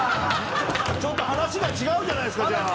ちょっと話が違うじゃないですかじゃあ。